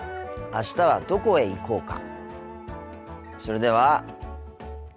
あしたはどこへ行こうか？